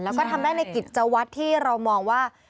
แล้วก็ทำได้ในกิจวัตรที่เรามองว่า